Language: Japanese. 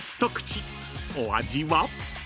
［お味は？］